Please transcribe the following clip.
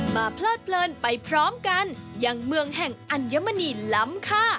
เพลิดเพลินไปพร้อมกันยังเมืองแห่งอัญมณีล้ำค่า